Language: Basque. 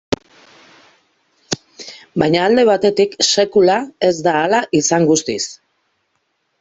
Baina alde batetik, sekula ez da hala izan guztiz.